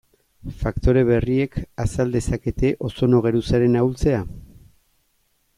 Faktore berriek azal dezakete ozono geruzaren ahultzea?